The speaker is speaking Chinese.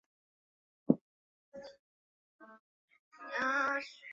曾在法国国家自然史博物馆担任教授。